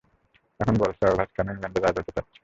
এখন বল, সাওভ্যাজ কেন ইংল্যান্ডের রাজা হতে চাচ্ছে?